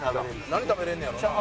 何食べれんのやろうな？